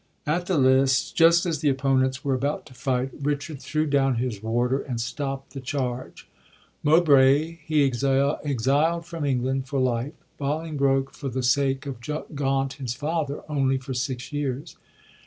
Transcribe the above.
At the lists, just as the opponents were about to fight, Richard 82 RICHARD THE SECOND threw down his warder and stopt the charge. Mowbray he exiled from England for life ; Bolingbroke, for the sake of Gaunt his father, only for six years.